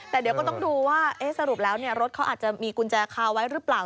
แต่เดี๋ยวก็ต้องดูว่าสรุปแล้วรถเขาอาจจะมีกุญแจคาไว้หรือเปล่า